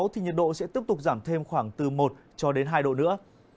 thì nhiệt độ sẽ tiếp tục giảm thêm khoảng từ một cho đến hai độ nữa